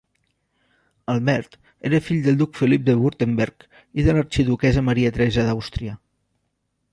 Albert era fill del duc Felip de Württemberg i de l'arxiduquessa Maria Teresa d'Àustria.